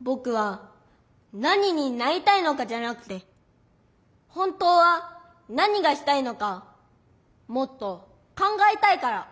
ぼくは何になりたいのかじゃなくて本当は何がしたいのかもっと考えたいから。